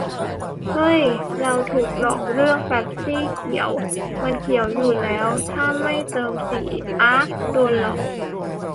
เฮ้ย เราถูกหลอกเรืองเป็ปซี่เขียว ! มันเขียวอยู่แล้ว ถ้าไม่เติมสี อ๊าก โดนหลอก